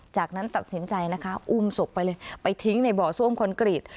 จากนั้นตัดสินใจนะคะอุ้มศพไปเลยไปทิ้งในบ่อซ่วมคอนกรีต